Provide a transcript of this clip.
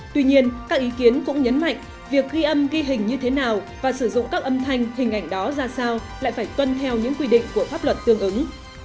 tuy nhiên các ý kiến cũng nhấn mạnh việc ghi âm ghi hình như thế nào và sử dụng các âm thanh hình ảnh đó ra sao lại phải tuân theo những quy định của pháp luật tương ứng